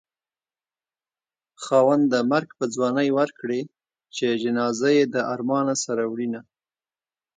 خاونده مرګ په ځوانۍ ورکړې چې جنازه يې د ارمانه سره وړينه